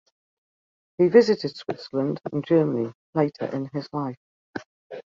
He visited Switzerland and Germany later in his life.